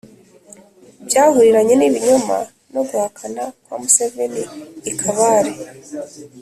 byahuriranye n’ibinyoma no guhakana kwa museveni i kabale